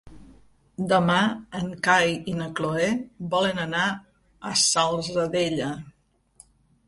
Demà en Cai i na Cloè volen anar a la Salzadella.